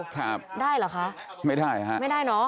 ครับได้หรือคะไม่ได้เนอะคือไม่ได้